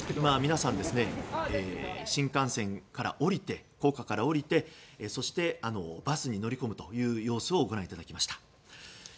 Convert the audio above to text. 皆さん、新幹線から降りて高架から降りてそしてバスに乗り込むという様子をご覧いただきました。